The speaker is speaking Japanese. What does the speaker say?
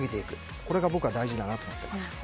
これが僕は大事だと思っています。